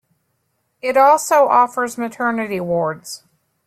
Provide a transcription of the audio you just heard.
It also offers maternity wards.